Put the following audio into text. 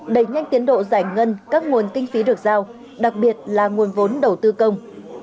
đẩy nhanh tiến độ giải ngân các nguồn kinh phí được giao đặc biệt là nguồn vốn đầu tư công